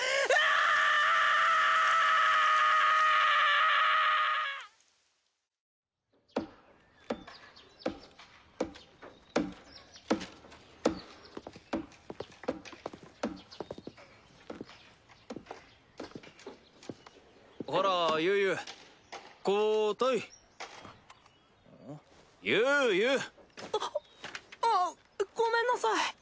アごめんなさい！